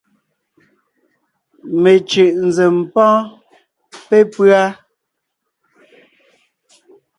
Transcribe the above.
Mencʉ̀ʼ nzèm pɔ́ɔn pépʉ́a: